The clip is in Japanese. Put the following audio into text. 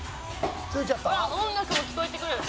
「音楽も聞こえてくる」